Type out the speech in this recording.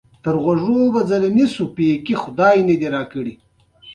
د بانک له لارې پور اخیستل قانوني مراحل لري.